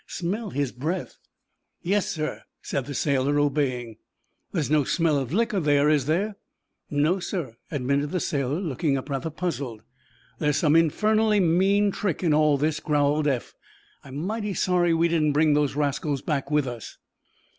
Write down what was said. "Smell his breath." "Yes, sir," said the sailor, obeying. "There's no smell of liquor, there, is there?" "No, sir," admitted the sailor, looking up, rather puzzled. "There is some infernally mean trick in all this," growled Eph. "I am mighty sorry we didn't bring those rascals back with us."